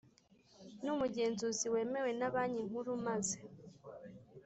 n umugenzuzi wemewe na Banki Nkuru maze